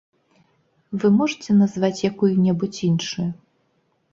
Вы можаце назваць якую-небудзь іншую?